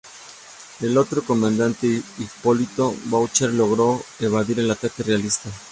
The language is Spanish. El otro comandante, Hipólito Bouchard, logró evadir el ataque realista.